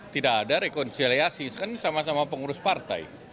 tidak ada rekonsiliasi kan sama sama pengurus partai